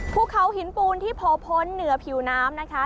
ภูเขาหินปูนที่โผล่พ้นเหนือผิวน้ำนะคะ